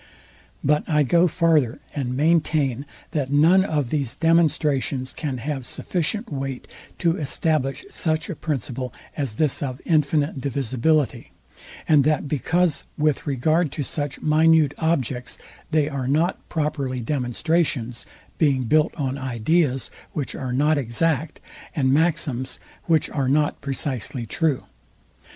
But I go farther, and maintain, that none of these demonstrations can have sufficient weight to establish such a principle, as this of infinite divisibility; and that because with regard to such minute objects, they are not properly demonstrations, being built on ideas, which are not exact, and maxims, which are not precisely true.